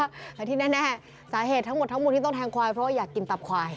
แต่ที่แน่สาเหตุทั้งหมดทั้งหมดที่ต้องแทงควายเพราะว่าอยากกินตับควาย